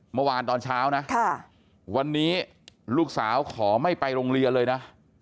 เมื่อวานตอนเช้านะวันนี้ลูกสาวขอไม่ไปโรงเรียนเลยนะ